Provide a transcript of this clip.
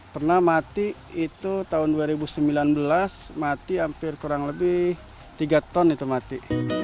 pernah mati itu tahun dua ribu sembilan belas mati hampir kurang lebih tiga ton itu mati